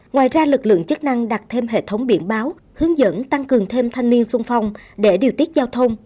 ngoài ra lực lượng chức năng đặt thêm hệ thống biển báo hướng dẫn tăng cường thêm thanh niên sung phong để điều tiết giao thông